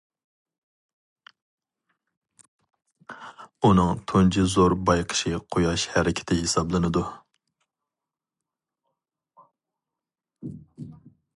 ئۇنىڭ تۇنجى زور بايقىشى قۇياش ھەرىكىتى ھېسابلىنىدۇ.